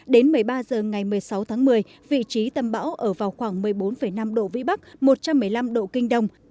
đến một mươi ba h ngày một mươi sáu tháng một mươi vị trí tâm bão ở vào khoảng một mươi bốn năm độ vĩ bắc một trăm một mươi năm độ kinh đông